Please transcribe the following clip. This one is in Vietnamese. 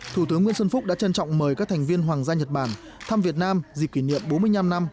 thủ tướng nguyễn xuân phúc đã trân trọng mời các thành viên hoàng gia nhật bản thăm việt nam dịp kỷ niệm bốn mươi năm năm